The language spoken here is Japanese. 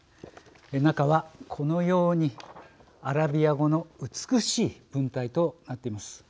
中はこのようにアラビア語の美しい文体となっています。